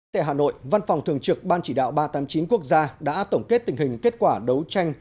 tại hà nội văn phòng thường trực ban chỉ đạo ba trăm tám mươi chín quốc gia đã tổng kết tình hình kết quả đấu tranh